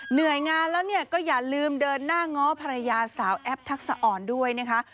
เหนื่อยงานแล้วเนี่ยก็อย่าลืมเดินหน้าง้อภรรยาสาวแอปทักษะอ่อนด้วยนะคะ